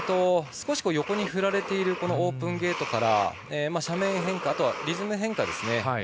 少し横に振られているオープンゲートから斜面変化、リズム変化ですね。